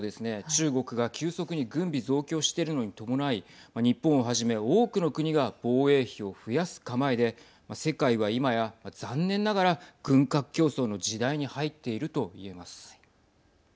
中国が急速に軍備増強しているのに伴い日本をはじめ多くの国が防衛費を増やす構えで世界は今や、残念ながら軍拡競争の時代に入っていると言えます。